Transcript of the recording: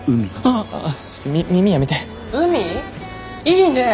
いいね！